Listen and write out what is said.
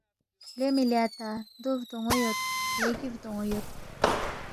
لے مِلی اتا، دوبدون٘و یود، لیگی بدون٘و یود